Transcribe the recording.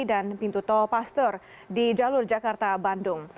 dan pintu tol pastor di jalur jakarta bandung